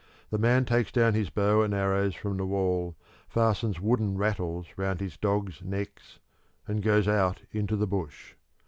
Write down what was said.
The man takes down his bow and arrows from the wall, fastens wooden rattles round his dogs' necks, and goes out into the bush.